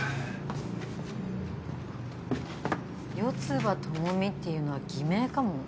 四葉朋美っていうのは偽名かも。